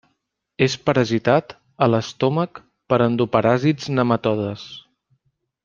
És parasitat, a l'estómac, per endoparàsits nematodes.